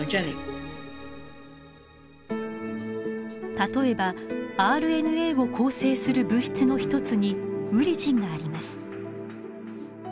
例えばＲＮＡを構成する物質の一つにウリジンがあります。